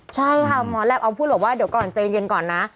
ใช่ค่ะหมอแร็บออกมาพูดแล้วว่าเดี๋ยวก่อนเจียงเย็นก่อนนะ